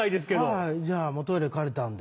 はいじゃあもうトイレ借りたんで。